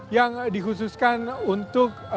yang dikhususkan untuk